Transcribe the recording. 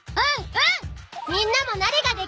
うん！